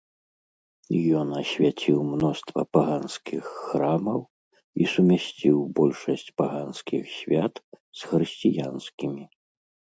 Ён асвяціў мноства паганскіх храмаў і сумясціў большасць паганскіх свят з хрысціянскімі.